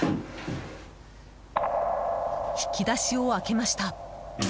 引き出しを開けました。